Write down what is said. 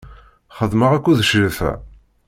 Xeddmeɣ akked Crifa.